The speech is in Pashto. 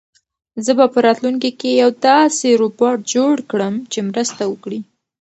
زه به په راتلونکي کې یو داسې روبوټ جوړ کړم چې مرسته وکړي.